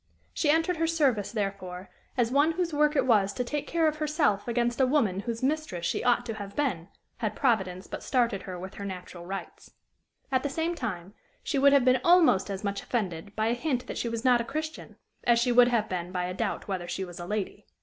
She entered her service, therefore, as one whose work it was to take care of herself against a woman whose mistress she ought to have been, had Providence but started her with her natural rights. At the same time, she would have been almost as much offended by a hint that she was not a Christian, as she would have been by a doubt whether she was a lady.